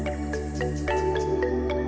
maka kehidupan berlangsung